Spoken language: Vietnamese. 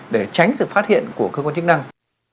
để tránh sự phát hiện của cơ quan chức năng